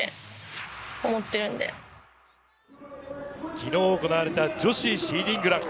昨日行われた女子シーディングラン。